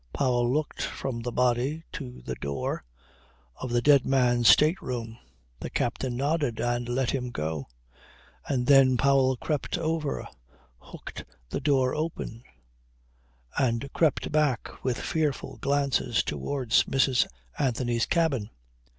Powell looked from the body to the door of the dead man's state room. The captain nodded and let him go; and then Powell crept over, hooked the door open and crept back with fearful glances towards Mrs. Anthony's cabin.